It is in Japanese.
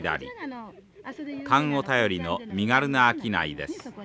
勘を頼りの身軽な商いです。